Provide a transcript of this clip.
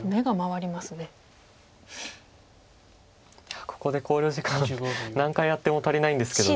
いやここで考慮時間何回あっても足りないんですけど。